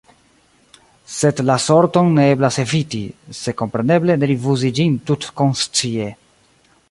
Sed la sorton ne eblas eviti – se, kompreneble, ne rifuzi ĝin tutkonscie.